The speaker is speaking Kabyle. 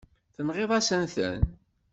Tenɣiḍ-asen-ten.